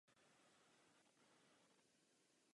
Je na nás, jak ji využijeme.